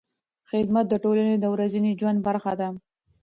خدمت د ټولنې د ورځني ژوند برخه ده.